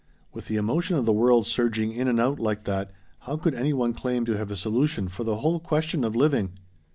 With the emotion of the world surging in and out like that how could any one claim to have a solution for the whole question of living?